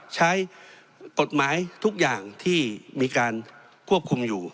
ใช้กฎหมายทุกอย่างที่มีการควบคุมอยู่